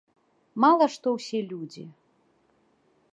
Мала што ўсе людзі!